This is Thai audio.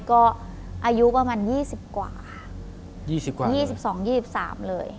ก็อายุประมาณ๒๐กว่า๒๒๒๓เลย